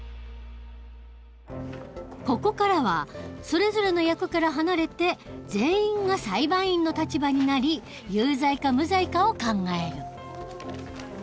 ここからはそれぞれの役から離れて全員が裁判員の立場になり有罪か無罪かを考える。